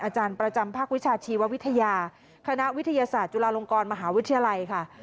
อาจารย์ประจำภาควิชาชีววิทยาคณะวิทยาศาสตร์จุฬาลงกรมหาวิทยาลัยค่ะ